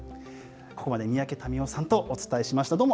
ここまで三宅民夫さんとお伝えしました。